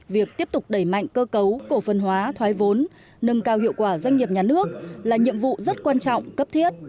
việc tiếp tục đẩy mạnh cơ cấu cổ phân hóa thoái vốn nâng cao hiệu quả doanh nghiệp nhà nước là nhiệm vụ rất quan trọng cấp thiết